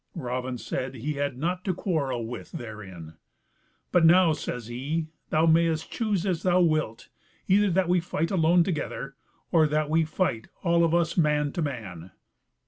Raven said that he had nought to quarrel with therein; "But now," says he, "thou mayest choose as thou wilt, either that we fight alone together, or that we fight all of us man to man."